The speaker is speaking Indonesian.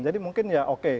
jadi mungkin ya mungkin